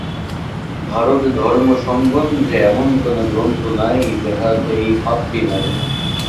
ভারতে ধর্ম সম্বন্ধে এমন কোন গ্রন্থ নাই, যাহাতে এই ভাবটি নাই।